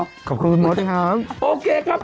โอโหถือไม่เจอแล้ว